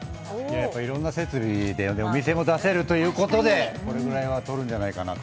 やっぱいろいろな設備でお店も出せるということでこれぐらいは取るんじゃないかなと。